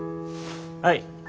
はい。